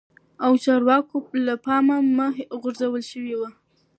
او چارواکو له پا مه هم غور ځول شوي وه